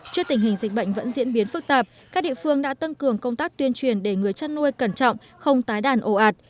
trước tình hình dịch bệnh vẫn diễn biến phức tạp các địa phương đã tăng cường công tác tuyên truyền để người chăn nuôi cẩn trọng không tái đàn ổ ạt